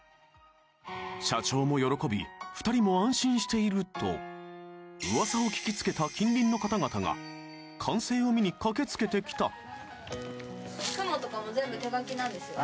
［社長も喜び２人も安心していると噂を聞き付けた近隣の方々が完成を見に駆け付けてきた］